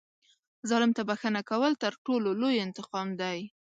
ظالم ته بښنه کول تر ټولو لوی انتقام دی.